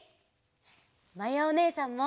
まやおねえさんも！